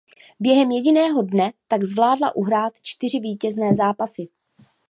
Během jediného dne tak zvládla uhrát čtyři vítězné zápasy.